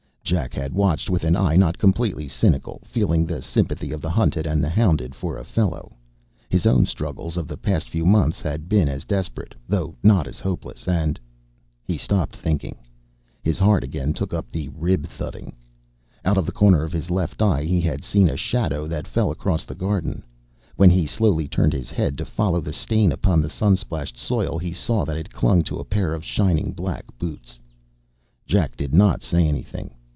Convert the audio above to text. Jack had watched with an eye not completely clinical, feeling the sympathy of the hunted and the hounded for a fellow. His own struggles of the past few months had been as desperate, though not as hopeless, and ... He stopped thinking. His heart again took up the rib thudding. Out of the corner of his left eye he had seen a shadow that fell across the garden. When he slowly turned his head to follow the stain upon the sun splashed soil, he saw that it clung to a pair of shining black boots. Jack did not say anything.